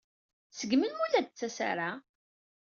Seg melmi ur la d-tettas ara?